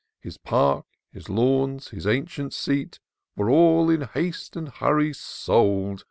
His park, his lawns, his ancient seat, Were all in haste and hurry sold.